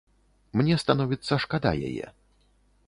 Мне становіцца шкада яе.